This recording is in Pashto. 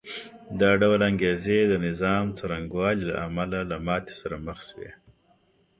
دا ډول انګېزې د نظام څرنګوالي له امله له ماتې سره مخ شوې